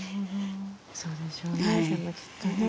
そうでしょうね。